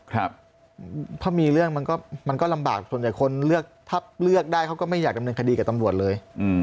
ถ้ามีเรื่องมันก็มันก็ลำบากส่วนใหญ่คนเลือกถ้าเลือกได้เขาก็ไม่อยากดำเนินคดีกับตำรวจเลย